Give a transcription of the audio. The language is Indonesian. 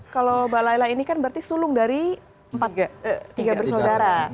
kalau mbak layla ini kan berarti sulung dari tiga bersaudara